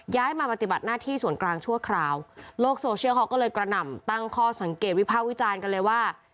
มาปฏิบัติหน้าที่ส่วนกลางชั่วคราวโลกโซเชียลเขาก็เลยกระหน่ำตั้งข้อสังเกตวิภาควิจารณ์กันเลยว่า